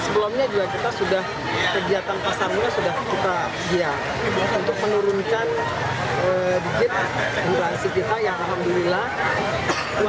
sebelumnya juga kita sudah kegiatan pasar murah sudah kita biar untuk menurunkan digit murah asik kita ya alhamdulillah